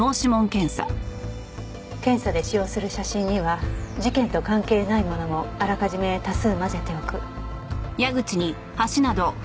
検査で使用する写真には事件と関係ないものもあらかじめ多数交ぜておく。